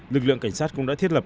lực lượng cảnh sát cũng đã thiết lập